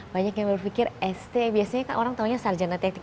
banyak yang berpikir st biasanya kan orang taunya sarjana teknik